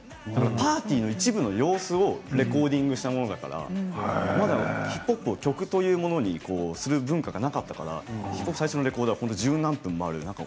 パーティーの一部の様子をレコーディングしたものだからまだヒップホップを曲というものにする文化がなかったから最初のレコードは十何分もある。